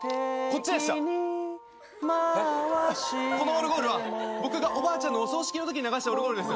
このオルゴールは僕がおばあちゃんのお葬式のときに流したオルゴールです。